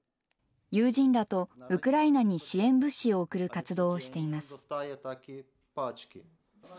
友人らとウクライナに支援物資を送る活動をしています。